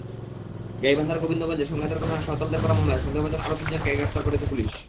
গাইবান্ধার গোবিন্দগঞ্জে সংঘাতের ঘটনায় সাঁওতালদের করা মামলায় সন্দেহভাজন আরও তিনজনকে গ্রেপ্তার করেছে পুলিশ।